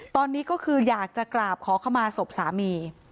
ตอนนี้ก็คืออยากจะกราบขอขมาศพสามี